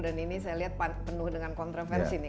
dan ini saya lihat penuh dengan kontroversi nih